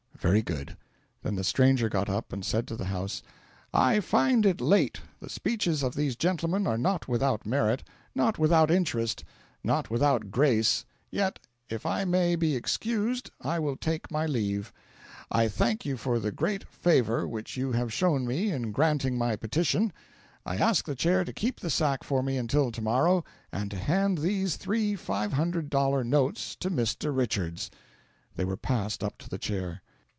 "Very good." Then the stranger got up and said to the house: "I find it late. The speeches of these gentlemen are not without merit, not without interest, not without grace; yet if I may be excused I will take my leave. I thank you for the great favour which you have shown me in granting my petition. I ask the Chair to keep the sack for me until to morrow, and to hand these three five hundred dollar notes to Mr. Richards." They were passed up to the Chair.